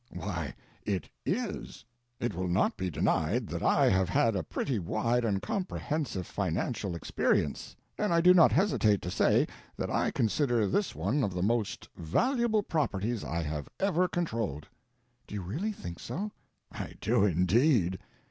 —why it is. It will not be denied that I have had a pretty wide and comprehensive financial experience, and I do not hesitate to say that I consider this one of the most valuable properties I have ever controlled." "Do you really think so?" "I do, indeed."